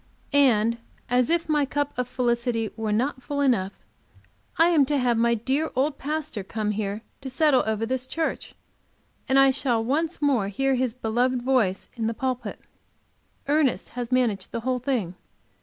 And, as if my cup of felicity were not full enough, I am to have my dear old pastor come here to settle over this church, and I shall once more hear his beloved voice in the pulpit. Ernest has managed the whole thing.